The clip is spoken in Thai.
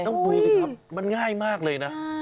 ต้องดูสิครับมันง่ายมากเลยนะ